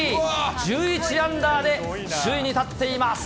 １１アンダーで首位に立っています。